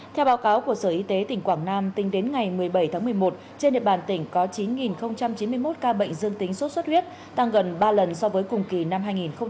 theo báo cáo của sở y tế tỉnh quảng nam tính đến ngày một mươi bảy tháng một mươi một trên địa bàn tỉnh có chín chín mươi một ca bệnh dương tính sốt xuất huyết tăng gần ba lần so với cùng kỳ năm hai nghìn một mươi tám